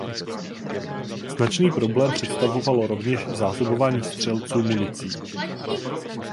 Značný problém představovalo rovněž zásobování střelců municí.